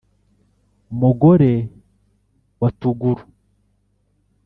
mugore wa tuguru